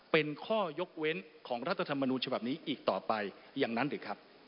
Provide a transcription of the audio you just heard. เป็นข้อยกเว้นของรัฐธรรมนูญฉบับนี้อีกต่อไปอย่างนั้นหรือครับ